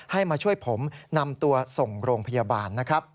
ให้มาช่วยผมนำตัวส่งโรงพยาบาลนะครับ